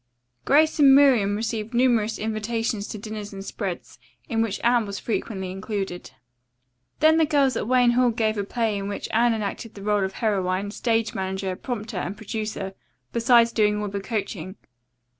Grace and Miriam received numerous invitations to dinners and spreads, in which Anne was frequently included. Then the girls at Wayne Hall gave a play in which Anne enacted the role of heroine, stage manager, prompter, and producer, besides doing all the coaching.